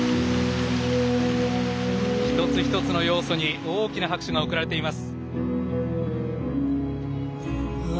一つ一つの要素に大きな拍手が送られています。